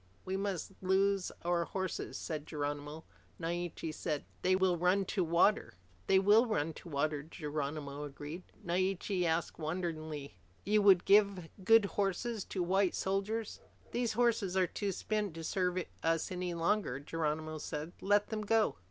We must loose our horses," said Geronimo. Naiche said, "They will run to water." "They will run to water," Geronimo agreed. Naiche asked wonderingly, "You would give good horses to white soldiers?" "These horses are too spent to serve us any longer," Geronimo said. "Let them go."